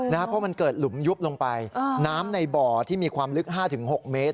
นะฮะเพราะมันเกิดหลุมยุบลงไปอ่าน้ำในบ่อที่มีความลึกห้าถึงหกเมตร